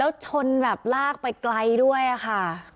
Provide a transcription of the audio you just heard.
แล้วชนแบบลากไปไกลด้วยค่ะ